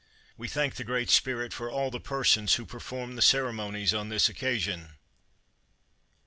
We thank the Great Spirit for all the persons who perform the ceremonies on this occasion.